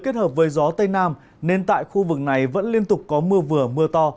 kết hợp với gió tây nam nên tại khu vực này vẫn liên tục có mưa vừa mưa to